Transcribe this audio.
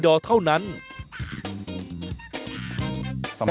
ดื่มน้ำก่อนสักนิดใช่ไหมคะคุณพี่